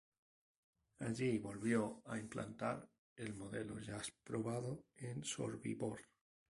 Allí volvió a implantar el modelo ya probado en Sobibor.